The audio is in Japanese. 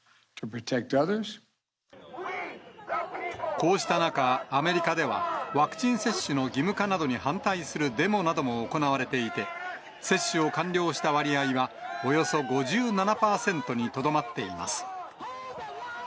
こうした中、アメリカでは、ワクチン接種の義務化などに反対するデモなども行われていて、接種を完了した割合は、およそ５７％にとどまっています。